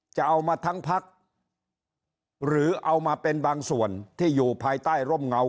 จะเอามาทั้งพักหรือเอามาเป็นบางส่วนที่อยู่ภายใต้ร่มเงา